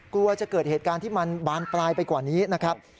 กลัวจะเกิดเหตุการณ์ที่มันบานปลายไปกว่านี้นะครับ